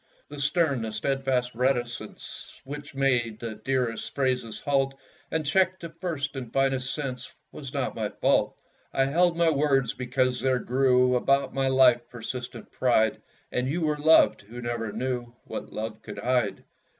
The stern, the steadfast reticence, Which made the dearest phrases halt, And checked a first and finest sense, Was not my fault. I held my words because there grew About my life persistent pride; And you were loved, who never knew What love could hide!